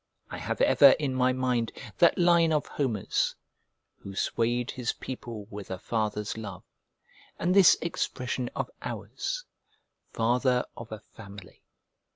I have ever in my mind that line of Homer's "Who swayed his people with a father's love": and this expression of ours, "father of a family."